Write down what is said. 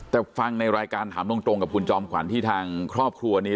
แต่ฟังในรายการถามตรงกับคุณจอมขวัญที่ทางครอบครัวนี้